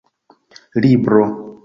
libro